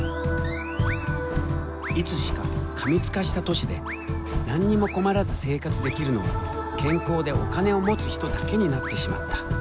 いつしか過密化した都市で何にも困らず生活できるのは健康でお金を持つ人だけになってしまった。